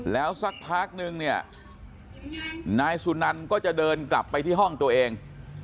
แล้วสักพักนึงเนี่ยนายสุนันก็จะเดินกลับไปที่ห้องตัวเอง